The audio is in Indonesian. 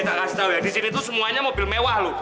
tak kasih tau ya disini tuh semuanya mobil mewah loh